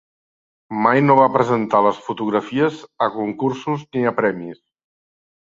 Mai no va presentar les fotografies a concursos ni a premis.